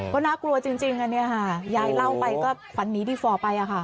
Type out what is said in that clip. ก็น่ากลัวจริงอ่ะเนี่ยค่ะยายเล่าไปก็ควันนี้ดีฟอร์ไปอ่ะค่ะ